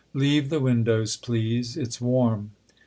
" Leave the windows, please ; it's warm.